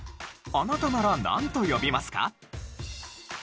あなたならなんと呼びますか？